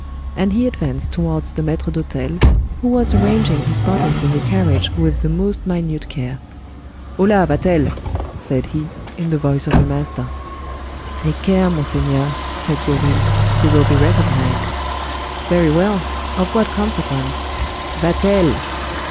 and he advanced towards the maitre d'hotel, who was arranging his bottles in the carriage with the most minute care. "Hola! Vatel," said he, in the voice of a master. "Take care, monseigneur!" said Gourville, "you will be recognized." "Very well! Of what consequence?—Vatel!"